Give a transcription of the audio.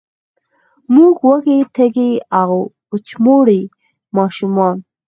موږ وږې، تږې او، وچموري ماشومان